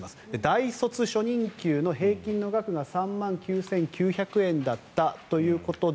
大卒初任給の平均の額が３万９９００円だったということで